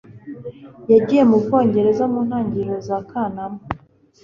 Yagiye mu Bwongereza mu ntangiriro za Kanama.